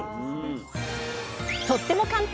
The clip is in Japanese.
とっても簡単！